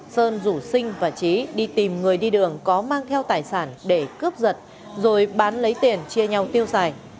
sơn rủ sinh và trí đi tìm người đi đường có mang theo tài sản để cướp giật rồi bán lấy tiền chia nhau tiêu xài